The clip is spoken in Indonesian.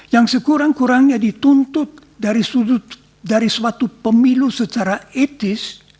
yang sekurang kurangnya dituntut dari suatu pemilu secara etis